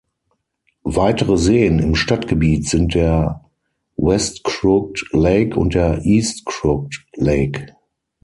Weitere Seen im Stadtgebiet sind der West Crooked Lake und der East Crooked Lake.